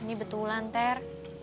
ini betul lanter